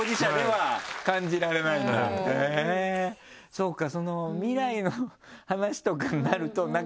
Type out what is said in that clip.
そうか。